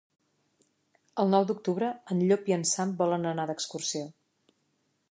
El nou d'octubre en Llop i en Sam volen anar d'excursió.